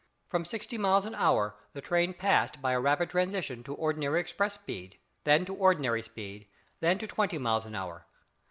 From sixty miles an hour the train passed by a rapid transition to ordinary express speed, then to ordinary speed, then to twenty miles an hour.